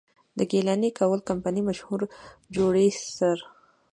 د ګيلاني کول کمپني مشهور جوړي سر،